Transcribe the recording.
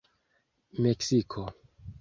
meksiko